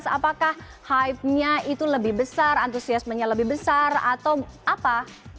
apakah hype nya itu lebih besar antusiasmenya lebih besar atau apa